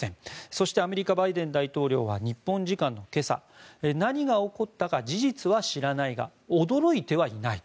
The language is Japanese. そしてアメリカのバイデン大統領は日本時間の今朝何が起こったか事実は知らないが驚いてはいない。